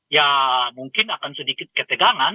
ya mungkin akan sedikit ketegangan